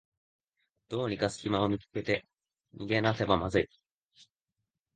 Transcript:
どうにかすきを見つけて逃げなければまずい